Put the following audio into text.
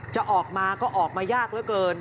จะออกมาก็ออกมายากเหลือเกิน